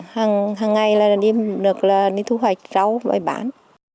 hằng ngày là được thu hoạch rau và bán